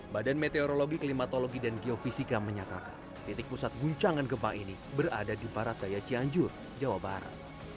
badan meteorologi klimatologi dan geofisika menyatakan titik pusat guncangan gempa ini berada di barat daya cianjur jawa barat